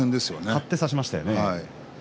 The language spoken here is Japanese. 張って差しましたよね。